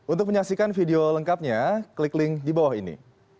untuk menyaksikan video lengkapnya klik link di bawah ini